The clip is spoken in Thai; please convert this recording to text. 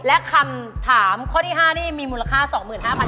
และคำถามข้อที่๕นี่มีมูลค่า๒๕๐๐บาท